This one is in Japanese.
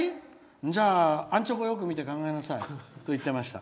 じゃあ、あんちょこよく見て考えなさいと言いました。